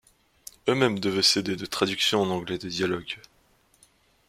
Eux-mêmes devaient s'aider de traductions en anglais des dialogues.